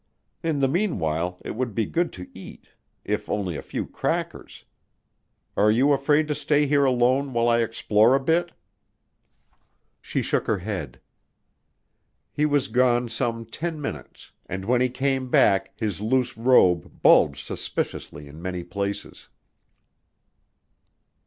In the meanwhile it would be good to eat if only a few crackers. Are you afraid to stay here alone while I explore a bit?" She shook her head. He was gone some ten minutes, and when he came back his loose robe bulged suspiciously in many places.